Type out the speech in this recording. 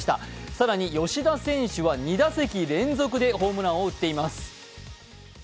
更に吉田選手は２打席連続でヒットを打っています。